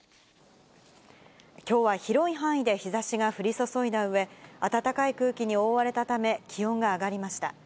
きょうは広い範囲で日ざしが降り注いだうえ、暖かい空気に覆われたため、気温が上がりました。